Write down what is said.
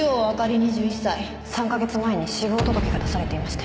２１歳３か月前に死亡届が出されていまして